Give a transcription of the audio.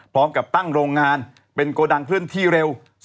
พร้อมกับตั้งโรงงานเป็นโกดังเคลื่อนที่เร็ว